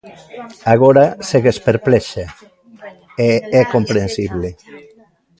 Agora segues perplexa, e é comprensible.